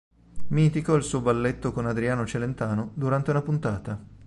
Mitico il suo balletto con Adriano Celentano durante una puntata.